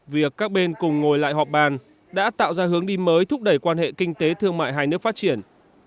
việc các bên cùng ngồi lại họp bàn đã tạo ra hướng đi mới thúc đẩy quan hệ kinh tế thương mại hai nước phát triển